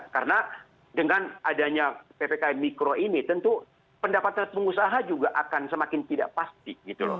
karena dengan adanya ppk mikro ini tentu pendapatan pengusaha juga akan semakin tidak pasti gitu loh